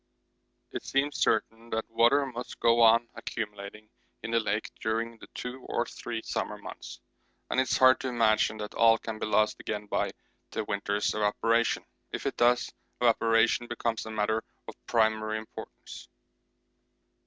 It seems certain that water must go on accumulating in the lake during the two or three summer months, and it is hard to imagine that all can be lost again by the winter's evaporation. If it does, 'evaporation' becomes a matter of primary importance.